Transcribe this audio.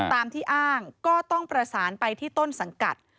ตามที่อ้างก็ต้องประสานไปที่ต้นสังกัด